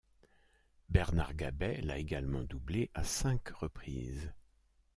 Bernard Gabay l'a également doublé à cinq reprises.